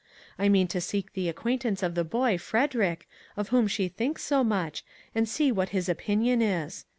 I mean to seek the acquaintance of the boy, Frederick, of whom she thinks so much, and see what his opinion is.